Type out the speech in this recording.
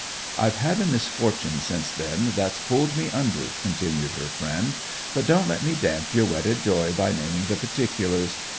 'I've had a misfortune since then, that's pulled me under,' continued her friend. 'But don't let me damp yer wedded joy by naming the particulars.